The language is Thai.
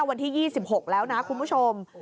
วันที่๒๖แล้วนะคุณผู้ชม